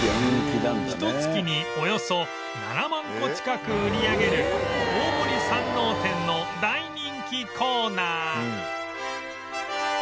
ひと月におよそ７万個近く売り上げる大森山王店の大人気コーナー